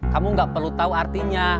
kamu gak perlu tahu artinya